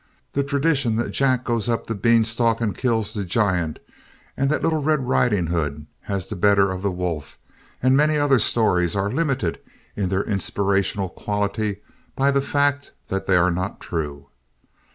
The tradition that Jack goes up the beanstalk and kills his giant, and that Little Red Ridinghood has the better of the wolf, and many other stories are limited in their inspirational quality by the fact that they are not true.